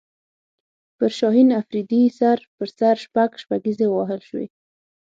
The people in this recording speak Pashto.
پر شاهین افریدي سر په سر شپږ شپږیزې ووهل شوې